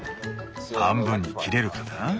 半分に切れるかな？